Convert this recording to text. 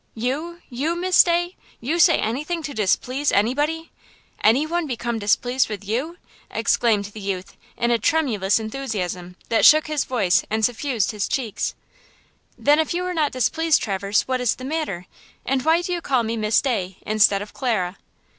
"You–you–Miss Day! You say anything to displease anybody! Any one become displeased with you!" exclaimed the youth in a tremulous enthusiasm that shook his voice and suffused his cheeks. "Then if you are not displeased, Traverse, what is the matter, and why do you call me Miss Day instead of Clara?"